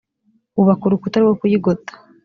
bubaka urukuta rwo kuyigota